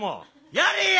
やれや！